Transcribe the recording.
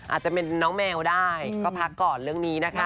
อาจจะเป็นน้องแมวได้ก็พักก่อนเรื่องนี้นะคะ